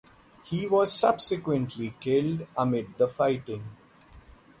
He was subsequently killed amid the fighting.